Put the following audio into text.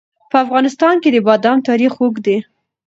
په افغانستان کې د بادام تاریخ اوږد دی.